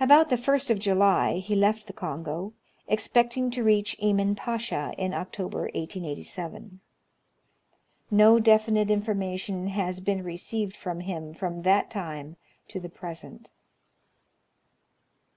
About the 1st of July he left the Kongo, expecting to reach Emin Pacha in October, 1887. No definite information has been received from him from that time to the present.